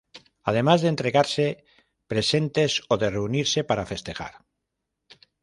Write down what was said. Además de entregarse presentes o de reunirse para festejar.